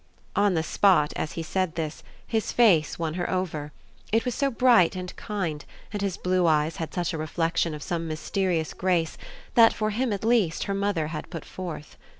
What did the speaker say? On the spot, as he said this, his face won her over; it was so bright and kind, and his blue eyes had such a reflexion of some mysterious grace that, for him at least, her mother had put forth.